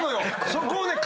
そこをね。